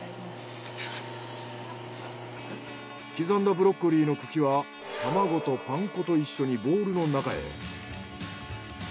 刻んだブロッコリーの茎は卵とパン粉と一緒にボウルの中へ。